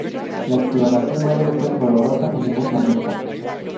La exploración no debe ser dolorosa en ningún momento.